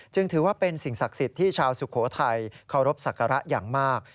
ถือว่าเป็นสิ่งศักดิ์สิทธิ์ที่ชาวสุโขทัยเคารพสักการะอย่างมาก